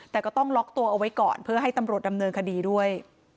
แต่ก็ต้องล็อกตัวเอาไว้ก่อนเพื่อให้ตำรวจดำเนินคดีด้วย